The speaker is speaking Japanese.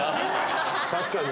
確かに。